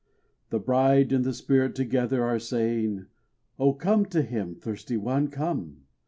The Bride and the Spirit together are saying: "Oh, come to Him, thirsty one, come!"